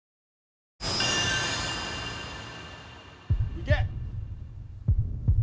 いけ！